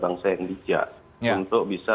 bangsa yang bijak untuk bisa